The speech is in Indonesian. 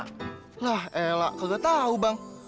lah ella gak tau bang